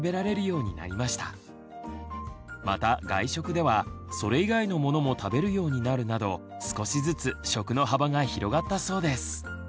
また外食ではそれ以外のものも食べるようになるなど少しずつ食の幅が広がったそうです。